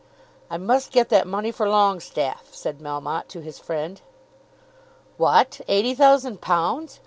"I must get that money for Longestaffe," said Melmotte to his friend. "What, eighty thousand pounds!